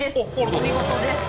お見事です。